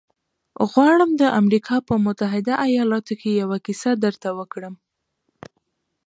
غواړم د امریکا په متحدو ایالتونو کې یوه کیسه درته وکړم